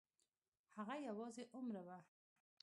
هغه یوازې عمره وه.